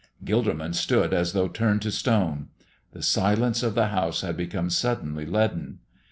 Gilderman stood as though turned to stone; the silence of the house had become suddenly leaden.